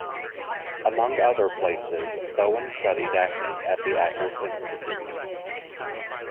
Among other places, Bowen studied acting at the Actor's Institute.